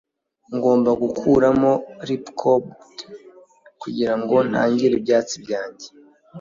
Ngomba gukuramo ripcord kugirango ntangire ibyatsi byanjye.